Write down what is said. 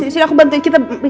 sini aku bantuin